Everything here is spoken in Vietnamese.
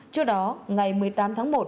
trước đó ngày một mươi tám tháng một